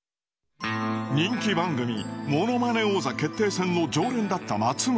人気番組「ものまね王座決定戦」の常連だった松村。